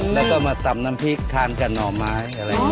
แล้วก็มาตำน้ำพริกทานกับหน่อม้าย